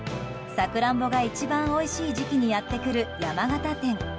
サクランボが一番おいしい時期にやってくる山形展。